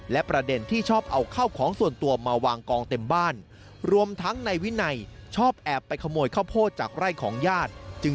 และประเด็นที่ชอบเอาข้าวของส่วนตัวมาวางกองเต็มบ้าน